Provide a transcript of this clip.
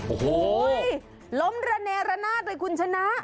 โอ้โหล้มระเนระนาดเลยคุณชนะ